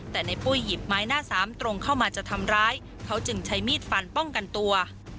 แต่ในปุ้ยหยิบไม้หน้าสามตรงเข้ามาจะทำร้ายเขาจึงใช้มีดฟันป้องกันตัว